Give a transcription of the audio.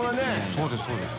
そうですそうです。